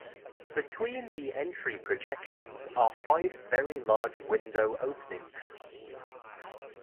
Between the entry projections are five very large window openings.